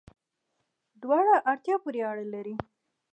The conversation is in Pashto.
دواړه، اړتیا پوری اړه لری